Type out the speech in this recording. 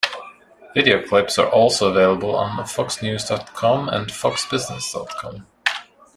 Video clips are also available on Foxnews.com and Foxbusiness.com.